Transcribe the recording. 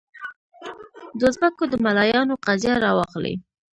د اوزبکو د ملایانو قضیه راواخلې.